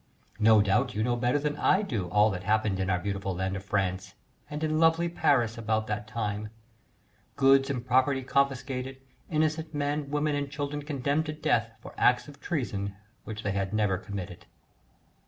No doubt you know better than I do all that happened in our beautiful land of France and in lovely Paris about that time: goods and property confiscated, innocent men, women, and children condemned to death for acts of treason which they had never committed.